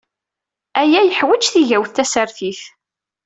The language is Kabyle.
Aya yeḥwaj tigawt tasertit.